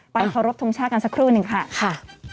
เคารพทงชาติกันสักครู่หนึ่งค่ะ